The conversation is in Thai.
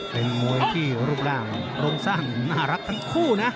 เป็นมวยที่รูปร่างรมสร้างน่ารักทั้งคู่นะ